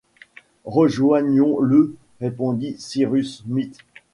Rejoignons-le, » répondit Cyrus Smith